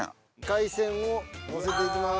海鮮をのせていきます。